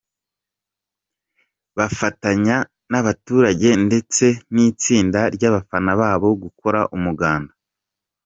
Bafatanyaga n’abaturage ndetse n’itsinda ry’abafana babo gukora umuganda .